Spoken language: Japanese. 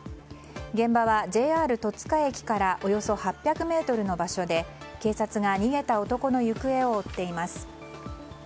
現場はＪＲ戸塚駅からおよそ８００ｍの場所で警察が逃げた男の行方を追っています。